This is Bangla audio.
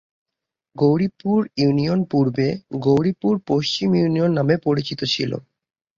গৌরীপুর ইউনিয়ন পূর্বে গৌরীপুর পশ্চিম ইউনিয়ন নামে পরিচিত ছিল।